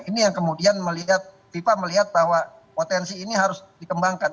ini yang kemudian melihat fifa melihat bahwa potensi ini harus dikembangkan